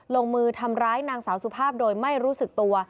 ลงมือทำร้ายนางสาวสุภาพโดยไม่รู้สึกตัว